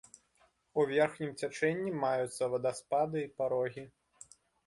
У верхнім цячэнні маюцца вадаспады і парогі.